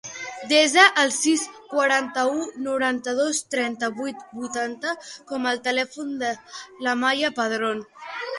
Desa el sis, quaranta-u, noranta-dos, trenta-vuit, vuitanta com a telèfon de la Maia Padron.